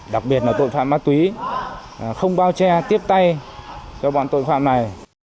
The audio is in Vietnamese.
đặc biệt là tội phạm ma túy không bao che tiếp tay cho bọn tội phạm này